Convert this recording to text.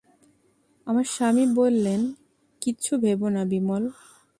আমার স্বামী বললেন, কিচ্ছু ভেবো না বিমল।